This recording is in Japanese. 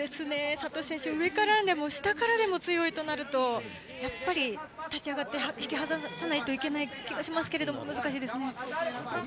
サトシ選手、上からでも下からでも強いとなるとやっぱり立ち上がって引き離さないといけない気がしますけど難しいですね。